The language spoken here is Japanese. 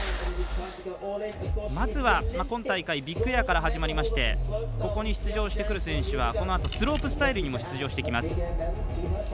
まずは、今大会ビッグエアから始まりましてここに出場してくる選手はこのあとスロープスタイルにも出場してきます。